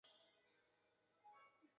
弗拉内人口变化图示